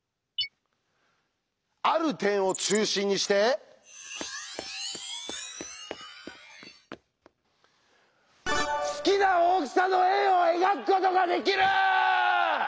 「ある点を中心にして好きな大きさの円を描くことができる」！